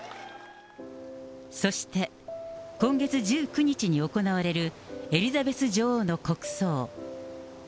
そして、今月１９日に行われるエリザベス女王の国葬。